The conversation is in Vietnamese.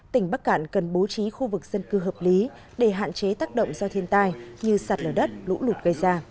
tỉnh bắc cạn cần bố trí khu vực dân cư hợp lý để hạn chế tác động do thiên tai như sạt lở đất lũ lụt gây ra